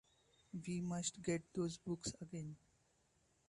We must get those books again.